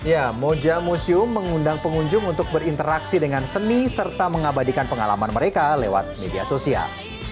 ya moja museum mengundang pengunjung untuk berinteraksi dengan seni serta mengabadikan pengalaman mereka lewat media sosial